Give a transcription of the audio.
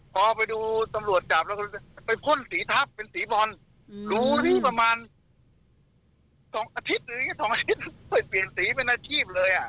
พอไปดูตำรวจจับไปพ่นสีทัพเป็นสีบอลรู้ที่ประมาณ๒อาทิตย์เปลี่ยนสีเป็นอาชีพเลย